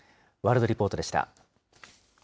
ワールドリポートでした。